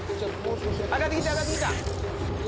上がってきた上がってきた。